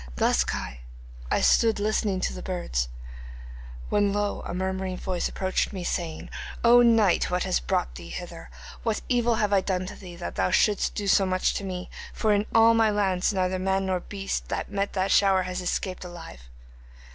'Thus, Kai, I stood listening to the birds, when lo, a murmuring voice approached me, saying: '"O knight, what has brought thee hither? What evil have I done to thee, that thou shouldest do so much to me, for in all my lands neither man nor beast that met that shower has escaped alive."